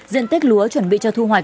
diện tích lúa chuẩn bị cho thu hoạch